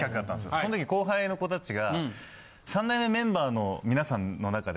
その時後輩の子たちが三代目メンバーのみなさんの中で。